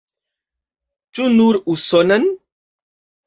Ĉu nur usonan?